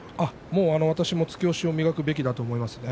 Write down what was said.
私も突き押しを磨くべきだと思います。